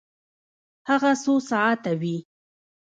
هغه څو ساعته وی؟